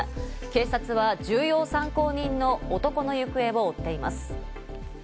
警察は重要参考人の男の行方を追っています。